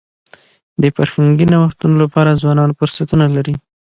د فرهنګي نوښتونو لپاره ځوانان فرصتونه لري.